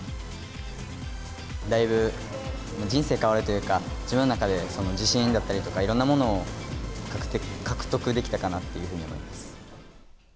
だいぶ、人生変わるというか、自分の中で自信だったりとか、いろんなものを獲得できたかなっていうふうに思います。